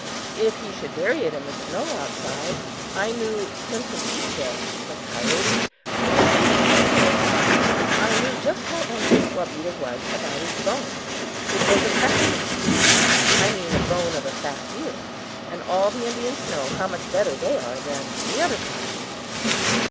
If he should bury it in the snow outside, I knew Shunktokecha (the coyote) would surely steal it. I knew just how anxious Wabeda was about his bone. It was a fat bone I mean a bone of a fat deer; and all Indians know how much better they are than the other kind.